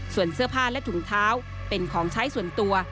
ส่วนเสื้อผ้าและถุงเท้าเป็นของใช้ส่วนตัว